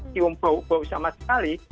sium bau bau sama sekali